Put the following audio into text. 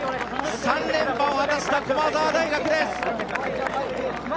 ３連覇を果たした駒澤大学です。